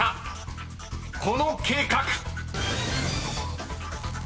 ［この計画］